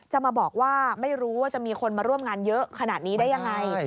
จะมาบอกว่าไม่รู้ว่าจะมีคนมาร่วมงานเยอะขนาดนี้ได้ยังไง